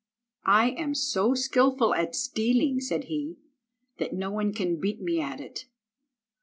"I am so skilful at stealing," said he, "that no one can beat me at it."